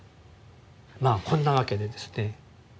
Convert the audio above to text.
まあこんなわけでですね